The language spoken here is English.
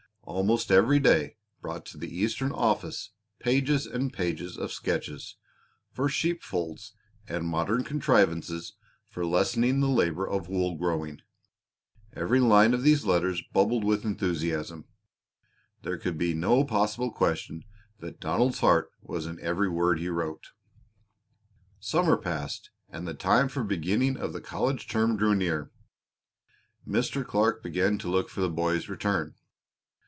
Almost every day brought to the Eastern office pages and pages of sketches for sheep folds and modern contrivances for lessening the labor of wool growing. Every line of these letters bubbled with enthusiasm. There could be no possible question that Donald's heart was in every word he wrote. Summer passed and the time for the beginning of the college term drew near. Mr. Clark began to look for the boy's return.